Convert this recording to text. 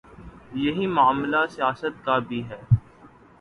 یہی معاملہ سیاست کا بھی ہے۔